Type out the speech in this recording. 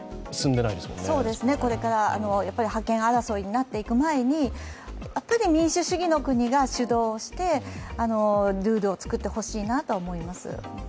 これから覇権争いになっていく前に民主主義の国が主導して、ルールを作ってほしいなと思います。